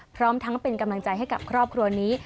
พร้อมทั้งเป็นกำลังใจให้กับครอบครัวนี้